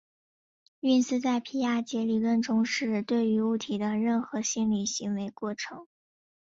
运思在皮亚杰理论中是对于物体的任何心理行为过程。